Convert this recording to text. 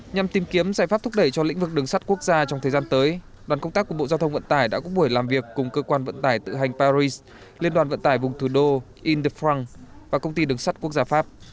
nhằm tìm kiếm giải pháp thúc đẩy cho lĩnh vực đường sắt quốc gia trong thời gian tới đoàn công tác của bộ giao thông vận tải đã có buổi làm việc cùng cơ quan vận tải tự hành paris liên đoàn vận tải vùng thủ đô indefranc và công ty đường sắt quốc gia pháp